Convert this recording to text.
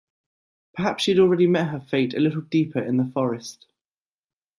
Perhaps she had already met her fate a little deeper in the forest.